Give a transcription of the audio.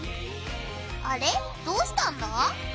あれどうしたんだ？